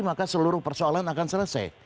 maka seluruh persoalan akan selesai